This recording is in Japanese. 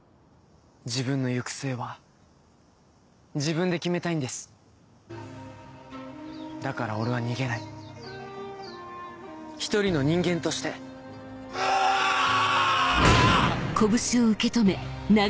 自分の行く末は自分で決めたいんですだから俺は逃げない一人の人間としてうわぁ！